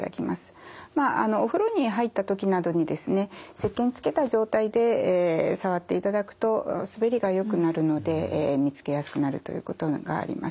まあお風呂に入った時などにですねせっけんつけた状態で触っていただくと滑りがよくなるので見つけやすくなるということがあります。